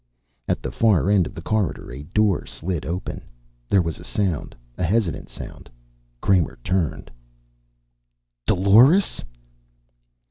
At the far end of the corridor a door slid open. There was sound, a hesitant sound. Kramer turned. "Dolores!"